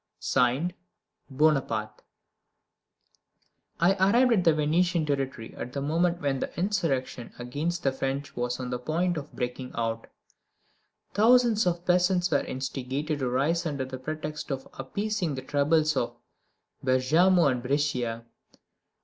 (Signed) BONAPARTE. I arrived at the Venetian territory at the moment when the insurrection against the French was on the point of breaking out. Thousands of peasants were instigated to rise under the pretext of appeasing the troubles of Bergamo and Brescia.